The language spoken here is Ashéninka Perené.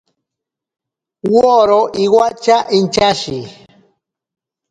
Woro iwatya inchashi.